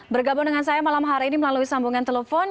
bergabung dengan saya malam hari ini melalui sambungan telepon